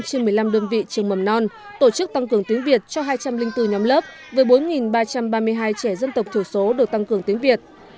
trên một mươi năm đơn vị trường mầm non tổ chức tăng cường tiếng việt cho hai trăm linh bốn nhóm lớp với bốn ba trăm ba mươi hai trẻ dân tộc thiểu số được tăng cường tiếng việt